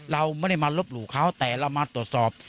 เราไม่ได้มาลบหลู่เขาแต่เรามาตรวจสอบ